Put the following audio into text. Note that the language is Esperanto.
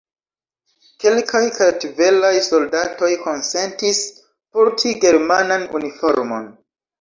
Kelkaj kartvelaj soldatoj konsentis porti germanan uniformon.